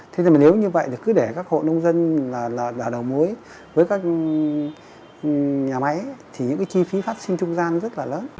thế nhưng mà nếu như vậy thì cứ để các hộ nông dân là đầu mối với các nhà máy thì những cái chi phí phát sinh trung gian rất là lớn